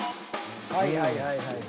はいはいはいはい。